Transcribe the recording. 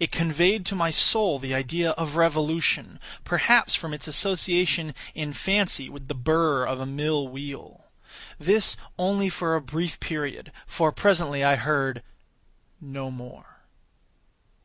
It conveyed to my soul the idea of revolution—perhaps from its association in fancy with the burr of a mill wheel. This only for a brief period, for presently I heard no more.